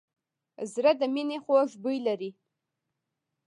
زړه د مینې خوږ بوی لري.